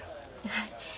はい。